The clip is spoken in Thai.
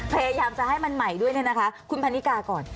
พยายามจะให้มันใหม่ด้วยคุณพันนิกาก่อน